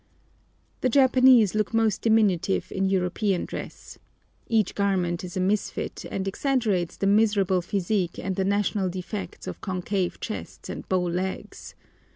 The Japanese look most diminutive in European dress. Each garment is a misfit, and exaggerates the miserable physique and the national defects of concave chests and bow legs.